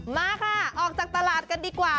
มาค่ะออกจากตลาดกันดีกว่า